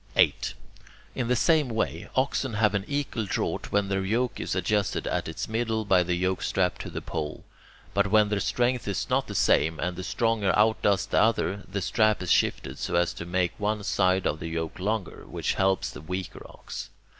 8. In the same way, oxen have an equal draught when their yoke is adjusted at its middle by the yokestrap to the pole. But when their strength is not the same, and the stronger outdoes the other, the strap is shifted so as to make one side of the yoke longer, which helps the weaker ox.